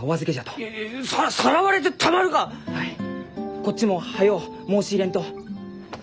こっちも早う申し入れんと。